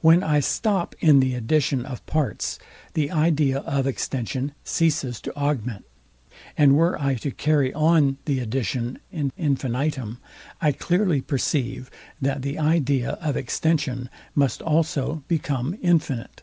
When I stop in the addition of parts, the idea of extension ceases to augment; and were I to carry on the addition in infinitum, I clearly perceive, that the idea of extension must also become infinite.